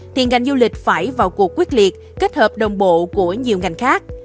thì ngành du lịch phải vào cuộc quyết liệt kết hợp đồng bộ của nhiều ngành khác